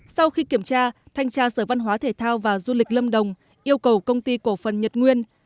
sau khi kiểm tra thanh tra sở văn hóa thể thao và du lịch lâm đồng yêu cầu công ty cổ phần nhật nguyên